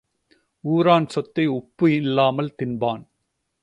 ஊரான் சொத்தை உப்பு இல்லாமல் தின்பான்.